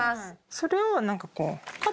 それをなんかこう。